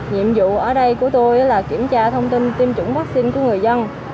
nhiệm vụ ở đây của tôi là kiểm tra thông tin tiêm chủng vắc xin của người dân